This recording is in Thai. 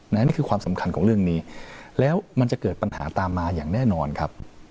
นี่คือความสำคัญของเรื่องนี้แล้วมันจะเกิดปัญหาตามมาอย่างแน่นอนครับ